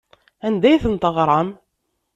Anda ay tent-teɣram?